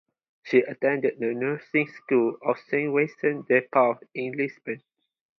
She attended the nursing school of Saint Vincent de Paul in Lisbon.